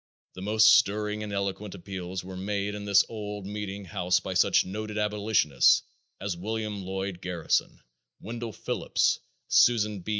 The most stirring and eloquent appeals were made in this old meeting house by such noted abolitionists as William Lloyd Garrison, Wendell Phillips, Susan B.